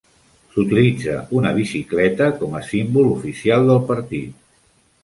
S"utilitza una bicicleta com a símbol oficial del partit.